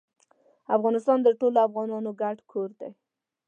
افغانستان د ټولو افغانانو ګډ کور دی.